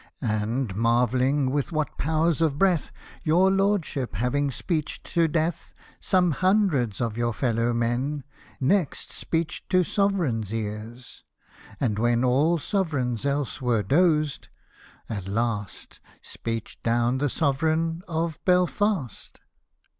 And marvelling with what powers of breath Your Lordship, having speeched to death vSome hundreds of your fellow men, Next speeched to Sovereign's ears, — and when All Sovereigns else were dozed, at last Speeched down the Sovereign of Belfast.